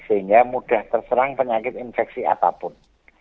sehingga mudah terserang penyakit infeksi apapun